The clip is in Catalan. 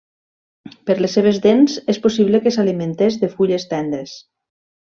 Per les seves dents, és possible que s'alimentés de fulles tendres.